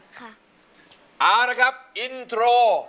เอาละครับอินโทร